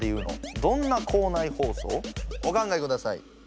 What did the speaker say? お考えください。